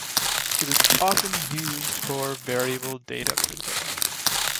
It is often used for Variable Data Printing.